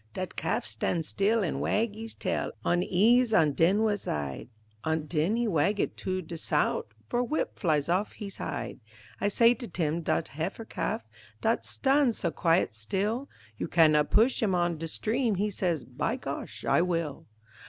Dat calf stan' still an' wag hees tail On eas' an' den wes' side, An' den he wag it to de sout' For whip flies off hees hide; I say to Tim dat heifer calf Dat stan' so quiet still, You can not push him on de stream; He say, "By gosh, I will."